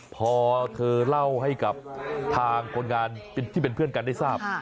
พอเธอเล่าให้กับทางคนงานที่เป็นเพื่อนกันได้ทราบ